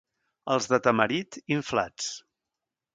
Els de Tamarit, inflats.